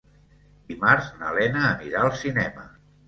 Dimarts na Lena anirà al cinema.